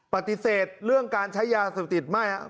ปฏิเสธเรื่องการใช้ยาเสพติดไม่ครับ